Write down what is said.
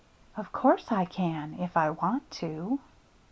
" Of course I can, if I want to."